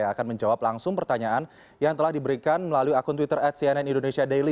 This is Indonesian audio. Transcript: akan menjawab langsung pertanyaan yang telah diberikan melalui akun twitter at cnn indonesia daily